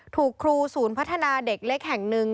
ถูกครูศูนย์พัฒนาเด็กเล็กแห่งหนึ่ง